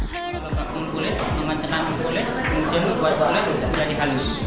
kalau membuat kulit mengancetkan kulit kemudian membuat bahan lain sudah dihalus